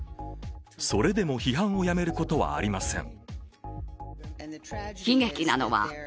それでも批判をやめることはありません。